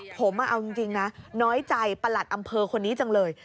ผมเอาจริงนะน้อยใจประหลัดอำเภอคนนี้จังเลย